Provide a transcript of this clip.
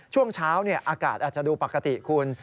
ช่วงเช้าอากาศอาจจะดูปกติคุณ